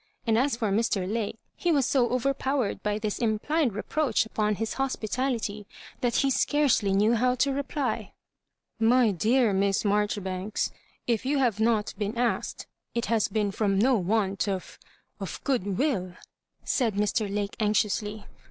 And as for Mr. Lake, he was so over powered by this implied reproach upon his hospitality that he scarcely knew how to reply. " My dear Miss Marjoribanks, if you have not 7 been asked it has been from no want of— of good will," said Mr. Lake, anxiously.